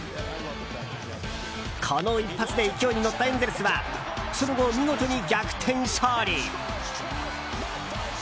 この一発で勢いに乗ったエンゼルスはその後、見事に逆転勝利。